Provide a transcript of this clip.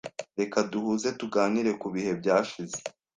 Reka duhuze tuganire kubihe byashize.